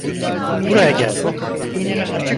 Buraya gel!